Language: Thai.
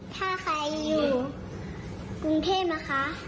ถ้าใครอยู่กรุงเทพนะคะ